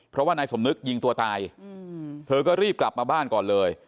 เพราะว่านายสมนึกยิงตัวตายเธอก็รีบกลับมาบ้านก่อนเลย